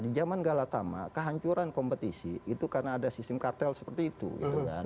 di zaman galatama kehancuran kompetisi itu karena ada sistem kartel seperti itu gitu kan